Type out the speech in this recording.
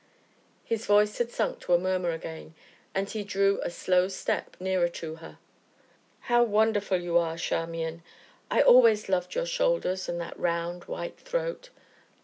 His voice had sunk to a murmur again, and he drew a slow step nearer to her. "How wonderful you are, Charmian! I always loved your shoulders and that round, white throat.